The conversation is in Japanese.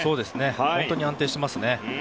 本当に安定していますね。